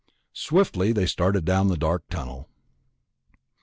Swiftly they started down the dark tunnel.